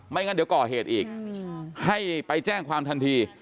งั้นเดี๋ยวก่อเหตุอีกให้ไปแจ้งความทันที